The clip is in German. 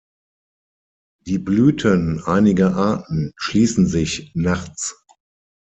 Die Blüten einiger Arten schließen sich nachts.